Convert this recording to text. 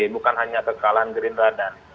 bukan hanya kekalahan gerindra dan